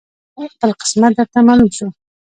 خپل قسمت درته معلوم شو